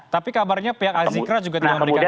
tapi kabarnya pihak azikra juga tidak memberikan izin